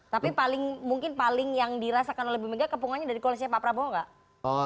tapi paling mungkin paling yang dirasakan oleh bu mega kepungannya dari koalisnya pak prabowo gak